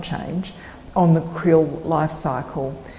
dalam kabel hidup kerel